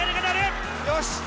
よし！